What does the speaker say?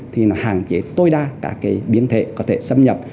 thì nó hạn chế tối đa các cái biến thể có thể xâm nhập